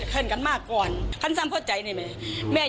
ช่วยเร่งจับตัวคนร้ายให้ได้โดยเร่ง